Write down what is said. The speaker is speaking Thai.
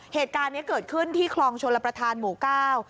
เหตุการณ์เนี้ยเกิดขึ้นที่คลองชลประธานหมู่เก้า